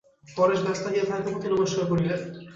পরেশ ব্যস্ত হইয়া তাঁহাকে প্রতিনমস্কার করিলেন।